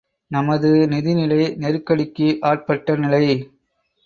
நமது நிதிநிலை நெருக்கடிக்கு ஆட்பட்ட நிலை.